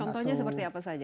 contohnya seperti apa saja